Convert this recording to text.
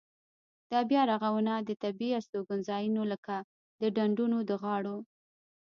دا بیا رغونه د طبیعي استوګنځایونو لکه د ډنډونو د غاړو.